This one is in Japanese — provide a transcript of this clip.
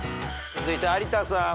続いて有田さん。